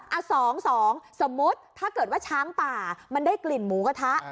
เอาสองสองสมมุติถ้าเกิดว่าช้างป่ามันได้กลิ่นหมูกระทะ